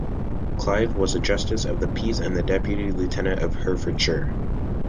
Clive was a Justice of the Peace and the Deputy Lieutenant of Herefordshire.